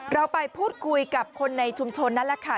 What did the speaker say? เราไปพูดคุยกับคนในชุมชนนั่นแหละค่ะ